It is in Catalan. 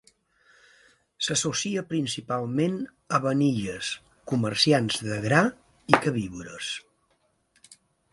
S'associa principalment a Baniyas, comerciants de gra i queviures.